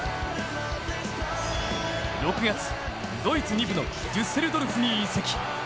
６月、ドイツ２部のデュッセルドルフに移籍。